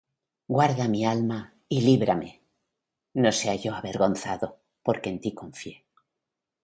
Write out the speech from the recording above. Guarda mi alma, y líbrame: No sea yo avergonzado, porque en ti confié.